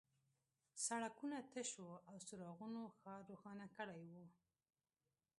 سړکونه تش وو او څراغونو ښار روښانه کړی و